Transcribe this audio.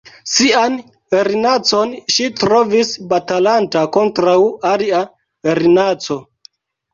Sian erinacon ŝi trovis batalanta kontraŭ alia erinaco.